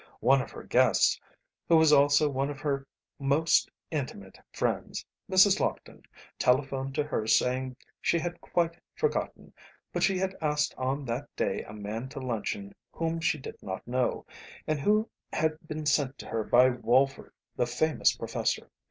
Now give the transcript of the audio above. One of her guests, who was also one of her most intimate friends, Mrs. Lockton, telephoned to her saying she had quite forgotten, but she had asked on that day a man to luncheon whom she did not know, and who had been sent to her by Walford, the famous professor.